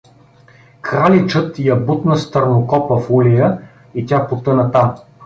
Краличът я бутна с търнокопа в улея и тя потъна там.